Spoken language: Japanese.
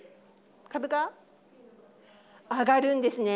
株価、上がるんですね。